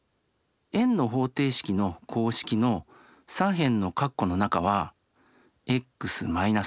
円の方程式の公式の左辺の括弧の中は「ｘ−」